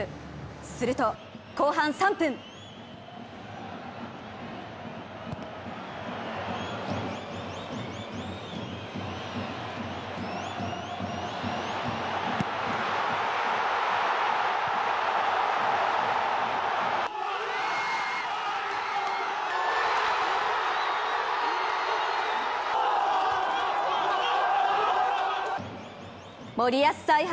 すると後半３分森保采配